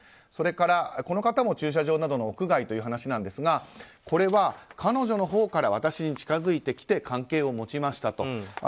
それから、この方も駐車場などの屋外という話ですがこれは彼女のほうから私に近づいてきて関係を持ちましたと。